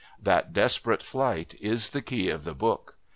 That desperate flight is the key of the book.